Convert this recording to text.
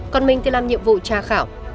còn mình thì làm nhiệm vụ tra khảo